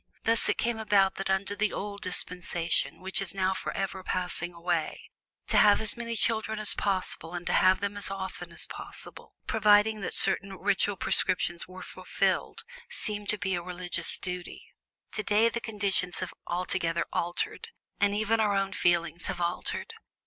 Thus it came about that under the old dispensation, which is now forever passing away, to have as many children as possible and to have them as often as possible providing that certain ritual prescriptions were fulfilled seemed to be a religious duty. Today the conditions have altogether altered, and even our own feelings have altered.